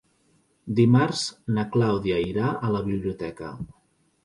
Dimarts na Clàudia irà a la biblioteca.